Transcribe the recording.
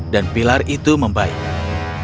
dan pilar itu membaiki